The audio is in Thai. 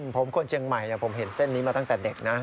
ผมคนเชียงใหม่ผมเห็นเส้นนี้มาตั้งแต่เด็กนะ